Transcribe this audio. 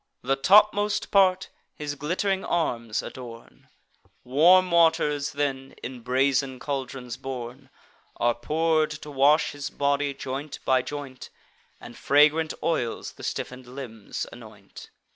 The topmost part his glitt'ring arms adorn; Warm waters, then, in brazen caldrons borne, Are pour'd to wash his body, joint by joint, And fragrant oils the stiffen'd limbs anoint.